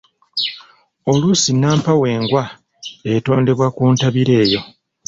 Oluusi nnampawengwa etondebwa ku ntabiro eyo.